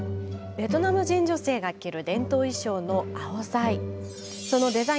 ベトナム人女性が着る伝統衣装のアオザイ。